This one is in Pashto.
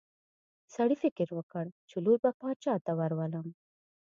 سړي فکر وکړ چې لور به باچا ته ورولم.